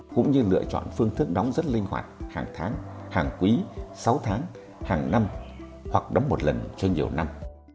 cũng như lựa chọn phương thức đóng rất linh hoạt hàng tháng hàng quý sáu tháng hàng năm hoặc đóng một lần cho nhiều năm